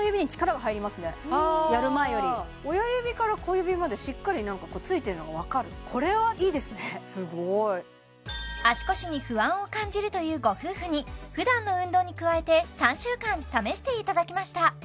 やる前より親指から小指までしっかりついてるのがわかるすごい足腰に不安を感じるというご夫婦に普段の運動に加えて３週間試していただきました